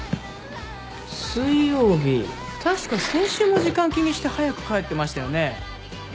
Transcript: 水曜日確か先週も時間気にして早く帰ってましたよね？